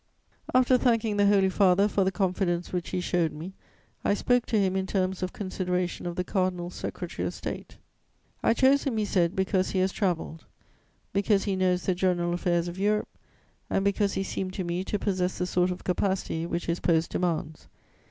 "After thanking the Holy Father for the confidence which he showed me, I spoke to him in terms of consideration of the Cardinal Secretary of State: "'I chose him,' he said, 'because he has travelled, because he knows the general affairs of Europe and because he seemed to me to possess the sort of capacity which his post demands.